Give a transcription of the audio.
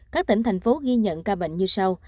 các tỉnh thành phố ghi nhận ca bệnh như sau